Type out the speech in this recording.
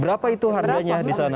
berapa itu harganya di sana